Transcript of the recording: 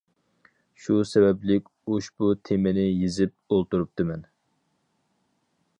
شۇ سەۋەبلىك ئۇشبۇ تېمىنى يېزىپ ئولتۇرۇپتىمەن.